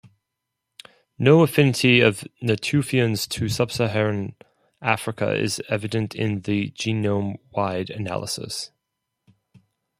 No affinity of Natufians to sub-Saharan Africans is evident in the genome-wide analysis.